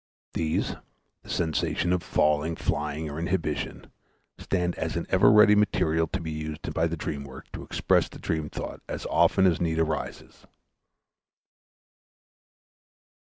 These the sensation of falling, flying, or inhibition stand as an ever ready material to be used by the dream work to express the dream thought as often as need arises.